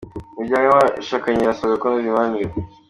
Imiryango y’abashakanye irasabwa kunoza imibanire